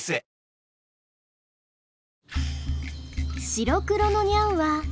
白黒のニャンは。